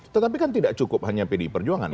tetapi kan tidak cukup hanya pdi perjuangan